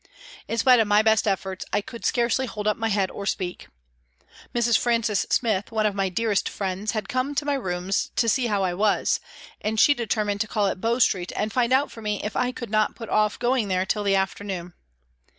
In spite of my best efforts, I could scarcely hold up my head or speak. Mrs. Francis Smith, one of my dearest friends, had come to my rooms to see how I was, and she determined to call 326 PRISONS AND PRISONERS at Bow Street and find out for me if I could not put off going there till the afternoon.